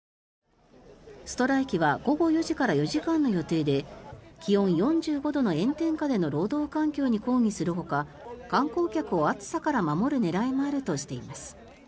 ストライキは午後４時から４時間の予定で気温４５度の炎天下での労働環境に抗議するほか観光客を暑さから守る狙いもあるとしています。